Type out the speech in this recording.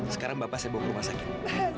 sekarang bapak saya bawa ke rumah sakit